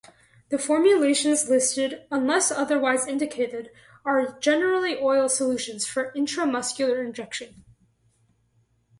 The formulations listed unless otherwise indicated are generally oil solutions for intramuscular injection.